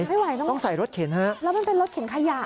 ไม่ไหวนะครับแล้วมันเป็นรถเข็นขยะค่ะต้องใส่รถเข็น